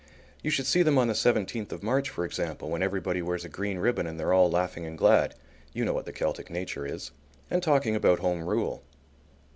You should see them on the seventeenth of March, for example, when everybody wears a green ribbon and they're all laughing and glad, you know what the Celtic nature is, and talking about Home Rule.